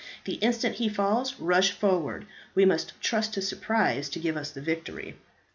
The instant he falls, rush forward. We must trust to surprise to give us the victory."